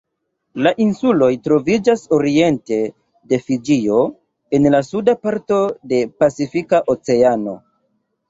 La insuloj troviĝas oriente de Fiĝio en la suda parto de Pacifika Oceano.